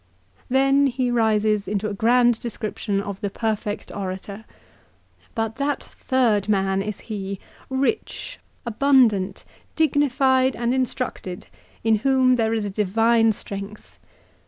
2 Then he rises into a grand description of the perfect orator. " But that third man is he, rich abundant, dignified and instructed, in whom there is a divine strength.